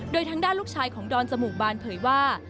โดยทั้งด้านลูกชายของดอนเจมส์หมู่บาลเผยว่า